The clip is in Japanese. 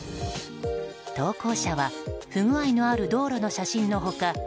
投稿者は不具合のある道路の写真の他